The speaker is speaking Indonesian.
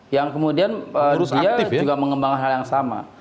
yang kemudian rusia juga mengembangkan hal yang sama